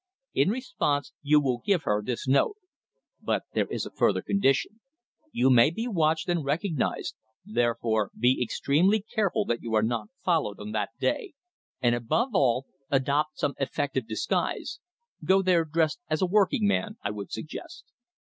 In response you will give her this note. But there is a further condition: you may be watched and recognised, therefore be extremely careful that you are not followed on that day, and, above all, adopt some effective disguise. Go there dressed as a working man, I would suggest."